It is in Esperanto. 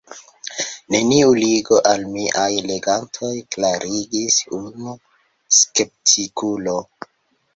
Neniu ligo al miaj legantoj, klarigis unu skeptikulo.